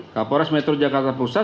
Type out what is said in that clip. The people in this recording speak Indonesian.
kapolres metro jakarta pusat